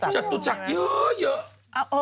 จตุจักรเยอะ